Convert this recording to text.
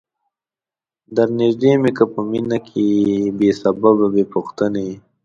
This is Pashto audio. درنیژدې می که په مینه بې سببه بې پوښتنی